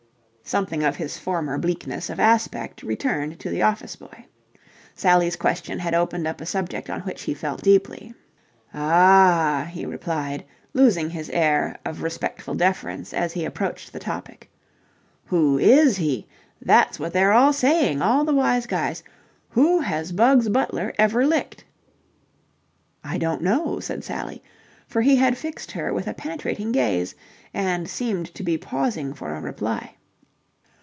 Something of his former bleakness of aspect returned to the office boy. Sally's question had opened up a subject on which he felt deeply. "Ah!" he replied, losing his air of respectful deference as he approached the topic. "Who is he! That's what they're all saying, all the wise guys. Who has Bugs Butler ever licked?" "I don't know," said Sally, for he had fixed her with a penetrating gaze and seemed to be pausing for a reply.